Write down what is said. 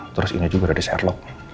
terus ini juga dari serlock